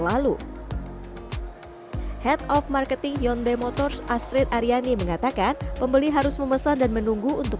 lalu head of marketing hyundai motors astrid aryani mengatakan pembeli harus memesan dan menunggu untuk